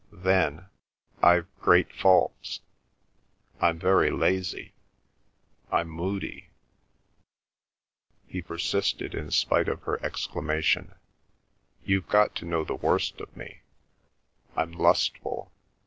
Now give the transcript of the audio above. Then I've great faults. I'm very lazy, I'm moody—" He persisted, in spite of her exclamation, "You've got to know the worst of me. I'm lustful.